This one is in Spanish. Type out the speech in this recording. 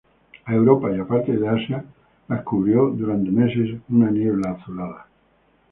A Europa y a parte de Asia las cubrió durante meses una niebla azulada.